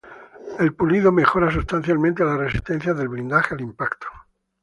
El pulido mejora sustancialmente la resistencia del blindaje al impacto.